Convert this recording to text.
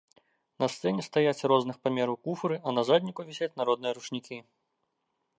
На сцэне стаяць розных памераў куфры, а на задніку вісяць народныя ручнікі.